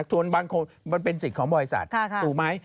ส่วนบางคนมันเป็นสิทธิ์ของบริษัทถูกไหม